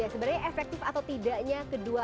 sebenarnya efektif atau tidaknya